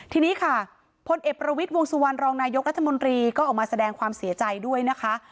ทีนี้ค่ะพลเอกประวิทย์วงสุวรรณรองนายกรัฐมนตรีก็ออกมาแสดงความเสียใจด้วยนะคะ